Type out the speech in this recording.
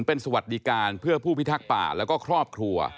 เป็นสวัสดิการเพื่อผู้พิทักษ์ป่าแล้วก็ครอบครัว